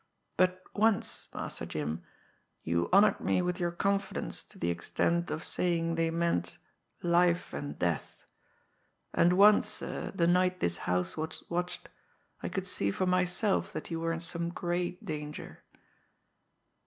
But once, Master Jim, you honoured me with your confidence to the extent of saying they meant life and death; and once, sir, the night this house was watched, I could see for myself that you were in some great danger.